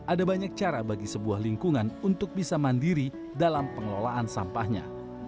ada banyak cara bagi sebuah lingkungan untuk bisa mandiri dalam pengelolaan sampahnya